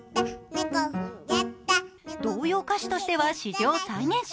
童謡歌手としては史上最年少。